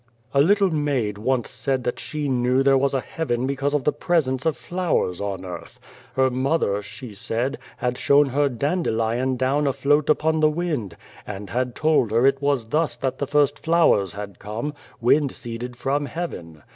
"A little maid once said that she knew there was a heaven because of the presence of flowers on earth. Her mother, she said, had shown her dandelion down afloat upon the 102 Beyond the Door wind, and had told her it was thus that the first flowers had come, wind seeded from heaven.